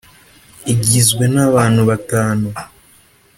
igizwe n abantu batanu